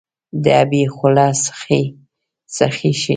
د ابۍ خوله سخي، سخي شي